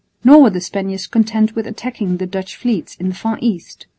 Nor were the Spaniards content with attacking the Dutch fleets in the far East.